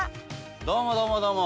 どうもどうもどうも！